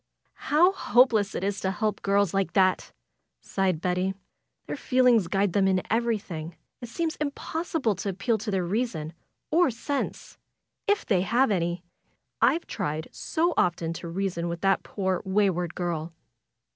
^^How hopeless it is to help girls like that!" sighed Betty. ''Their feelings guide them in everjflhing. It seems impossible to appeal to their reason or sense; if they have any! I've tried so often to reason with that poor, wayward girl!"